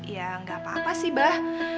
ya gapapa sih bah